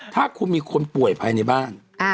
ถ้าคุณมีคนป่วยภายในบ้าน